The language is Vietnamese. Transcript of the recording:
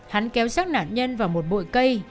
hắn kéo sát nạn nhân vào một bội cây